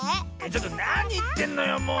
ちょっとなにいってんのよもう。